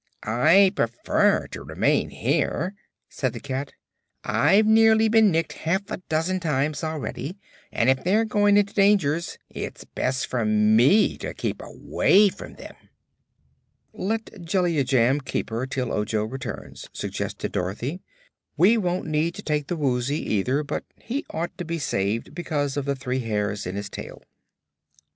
"I prefer to remain here," said the cat. "I've nearly been nicked half a dozen times, already, and if they're going into dangers it's best for me to keep away from them." "Let Jellia Jamb keep her till Ojo returns," suggested Dorothy. "We won't need to take the Woozy, either, but he ought to be saved because of the three hairs in his tail."